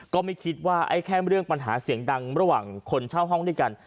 ก็ไม่คิดว่าไอ้แค่เรื่องปัญหาเสียงดังระหว่างคนเช่าห้องด้วยกัน